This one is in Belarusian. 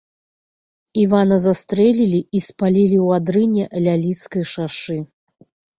Івана застрэлілі і спалілі ў адрыне ля лідскай шашы.